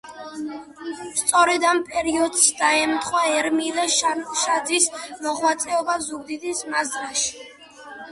სწორედ ამ პერიოდს დაემთხვა ერმილე შარაშიძის მოღვაწეობა ზუგდიდის მაზრაში.